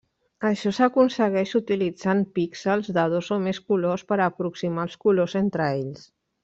Això s'aconsegueix utilitzant píxels de dos o més colors per aproximar els colors entre ells.